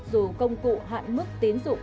dù công cụ hạn mức tín dụng